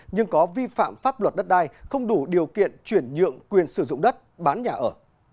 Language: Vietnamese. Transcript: nhưng có vi phạm pháp luật đất đai không đủ điều kiện chuyển nhượng quyền sử dụng đất bán nhà ở